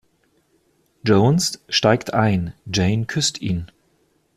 Jones steigt ein, Jane küsst ihn.